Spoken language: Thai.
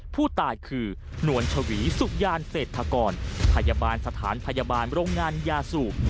ผู้ตายคือนวลชวีสุขยานเศรษฐกรพยาบาลสถานพยาบาลโรงงานยาสูบ